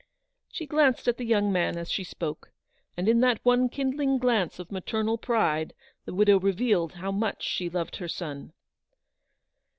She glanced at the young man as she spoke; and in that one kindling glance of maternal pride the widow revealed how much she loved her son.